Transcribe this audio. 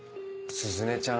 鈴音ちゃん